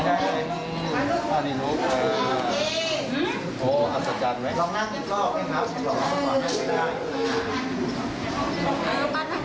แต่จากก่อนนั่งไม่ได้นะ